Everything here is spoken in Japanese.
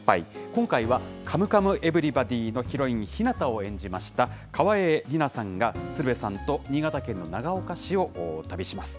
今回は、カムカムエヴリバディのヒロイン、ひなたを演じました、川栄李奈さんが、鶴瓶さんと新潟県の長岡市を旅します。